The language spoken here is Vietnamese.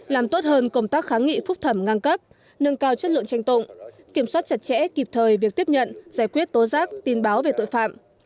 làm tốt hơn công tác kháng nghị phúc thẩm ngang cấp nâng cao chất lượng tranh tụng kiểm soát chặt chẽ kịp thời việc tiếp nhận giải quyết tố giác tin báo về tội phạm